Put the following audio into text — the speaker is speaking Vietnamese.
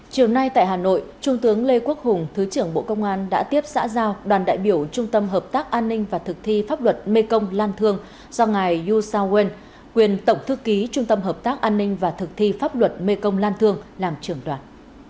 chiều nay tại hà nội trung tướng lê quốc hùng thứ trưởng bộ công an đã tiếp xã giao đoàn đại biểu trung tâm hợp tác an ninh và thực thi pháp luật mê công lan thương do ngài yu sao wen quyền tổng thư ký trung tâm hợp tác an ninh và thực thi pháp luật mê công lan thương làm trưởng đoàn